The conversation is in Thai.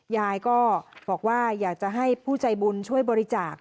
ยายก็บอกว่าอยากจะให้ผู้ใจบุญช่วยบริจาค